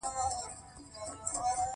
په تیاره کې مطالعه ولې بده ده؟